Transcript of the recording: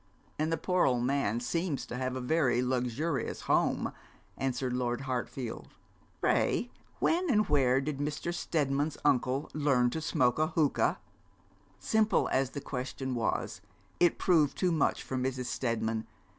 'And the poor old man seems to have a very luxurious home,' answered Lord Hartfield. 'Pray when and where did Mr. Steadman's uncle learn to smoke a hookah?' Simple as the question was, it proved too much for Mrs. Steadman.